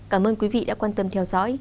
cảm ơn quý vị đã quan tâm theo dõi